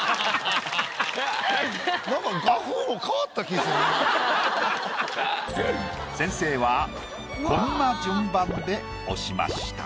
なんか先生はこんな順番で押しました。